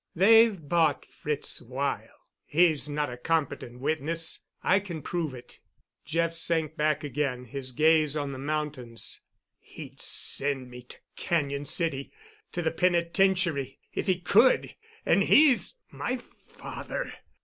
They've bought Fritz Weyl. He's not a competent witness. I can prove it." Jeff sank back again, his gaze on the mountains. "He'd send me to Cañon City—to the penitentiary—if he could—and he's—my father."